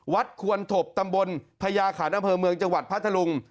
ควนถบตำบลพญาขันอำเภอเมืองจังหวัดพัทธลุง